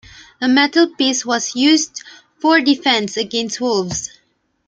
A metal piece was used for defense against wolves.